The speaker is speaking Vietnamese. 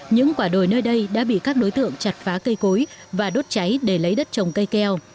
những quả đồi nơi đây đã bị các đối tượng chặt phá cây cối và đốt cháy để lấy đất trồng cây keo